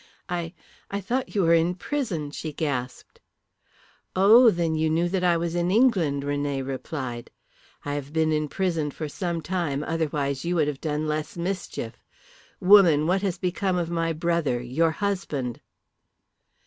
"I I thought you were in prison," she gasped. "Oh, then you knew that I was in England?" René replied. "I have been in prison for some time, otherwise you would have done less mischief. Woman, what has become of my brother your husband?"